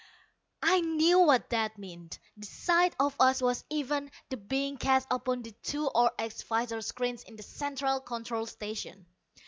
_ I knew what that meant. The sight of us was even then being cast upon the 2 RX visor screen in the Central Control Station.